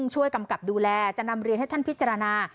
ช่วยกำกับดูแลจะนำเรียนให้ท่านพิจารณา